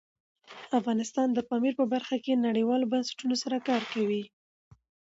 افغانستان د پامیر په برخه کې نړیوالو بنسټونو سره کار کوي.